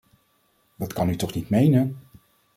Dat kunt u toch niet menen!